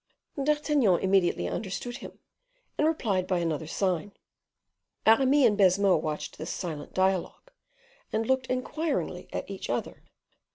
D'Artagnan immediately understood him, and replied by another sign. Aramis and Baisemeaux watched this silent dialogue, and looked inquiringly at each other.